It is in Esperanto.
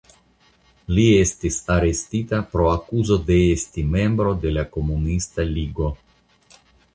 Li estis arestita pro akuzo de esti membro de la Komunista Ligo.